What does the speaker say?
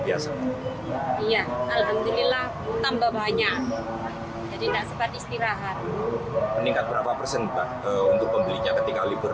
biasa banyak jadi tak sempat istirahat meningkat berapa persen untuk pembelinya ketika libur